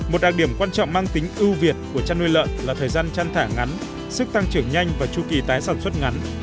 một đặc điểm quan trọng mang tính ưu việt của chăn nuôi lợn là thời gian chăn thả ngắn sức tăng trưởng nhanh và chu kỳ tái sản xuất ngắn